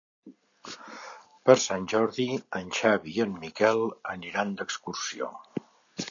Per Sant Jordi en Xavi i en Miquel aniran d'excursió.